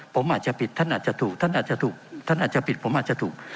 ผมอาจจะปิดท่านอาจจะถูกท่านอาจจะถูกท่านอาจจะปิดผมอาจจะถูก